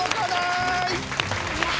いや。